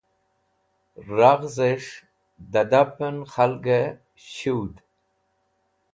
Raghzẽs̃h dẽdapẽn khalg shuwd.